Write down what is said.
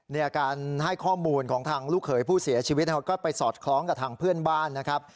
เนี่ยการให้ข้อมูลของทางลูกเขยผู้เสียชีวิตเขาก็ไปสอดคล้องกับทางเพื่อนบ้านนะครับ